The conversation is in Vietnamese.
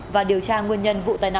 và điều tra nguyên nhân vụ tai nạn